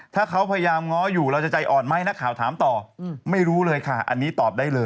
ถ้าเขาพยายามง้ออยู่เราจะใจอ่อนไหมนักข่าวถามต่อ